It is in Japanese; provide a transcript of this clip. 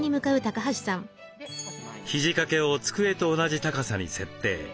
肘かけを机と同じ高さに設定。